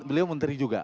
beliau menteri juga